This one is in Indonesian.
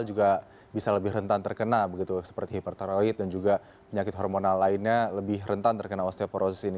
juga bisa lebih rentan terkena seperti hiperteroid dan juga penyakit hormonal lainnya lebih rentan terkena osteoporosis ini